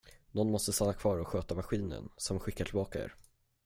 Nån måste stanna kvar och sköta maskinen som skickar tillbaka er.